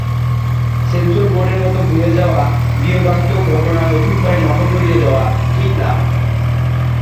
Sensor বোর্ডের মতে "ভুলে যাওয়া বিয়োগান্তক ঘটনা নতুন করে মনে করিয়ে দেওয়া ঠিক হবে না।"